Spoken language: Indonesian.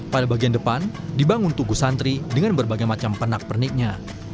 pada bagian depan dibangun tugu santri dengan berbagai macam pernak perniknya